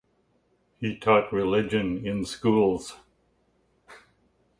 He taught religion in schools.